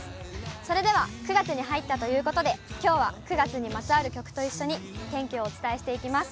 それでは９月に入ったということで、きょうは９月にまつわる曲と一緒に、お天気をお伝えしていきます。